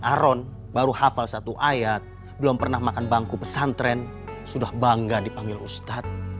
aron baru hafal satu ayat belum pernah makan bangku pesantren sudah bangga dipanggil ustadz